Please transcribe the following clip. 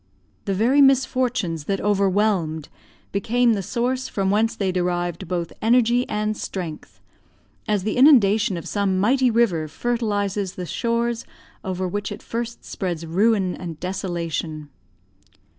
The very misfortunes that overwhelmed, became the source from whence they derived both energy and strength, as the inundation of some mighty river fertilises the shores over which it first spreads ruin and desolation.